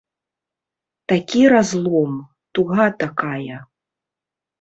Такі разлом, туга такая!